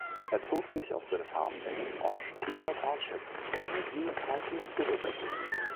Er zog sich auf seine Farm in Oshtemo Township, Kalamazoo County, zurück.